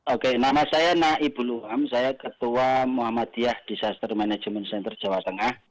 oke nama saya naibul uham saya ketua muhammadiyah disaster management center jawa tengah